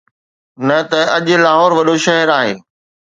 نه ته اڄ لاهور وڏو شهر آهي.